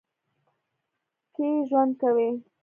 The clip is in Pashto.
کښې ژؤند کوي